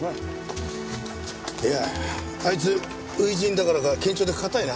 いやああいつ初陣だからか緊張で硬いな。